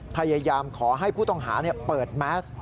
พยายามขอให้ผู้ต้องหาเปิดแมส